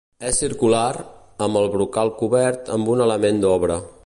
És circular, amb el brocal cobert amb un element d'obra.